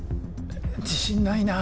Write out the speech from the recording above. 自信ないなぁ。